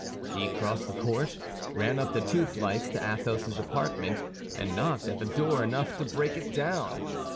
He crossed the court, ran up the two flights to Athos's apartment, and knocked at the door enough to break it down.